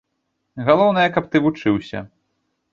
Галоўнае, каб ты вучыўся.